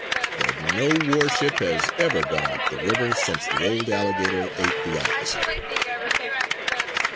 But no warship has ever gone up the river since the old alligator ate the officer.